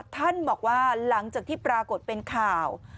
ท่านบอกว่าหลังจากที่ปรากฏเป็นข่าว